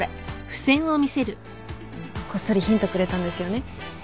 こっそりヒントくれたんですよね？